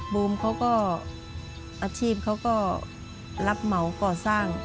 บูมเขาก็อาชีพเขาก็รับเหมาก่อสร้าง